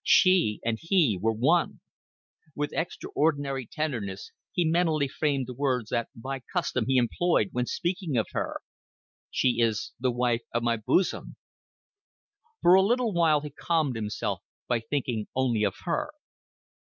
She and he were one. With extraordinary tenderness he mentally framed the words that by custom he employed when speaking of her. "She is the wife of my boosum." For a little while he calmed himself by thinking only of her.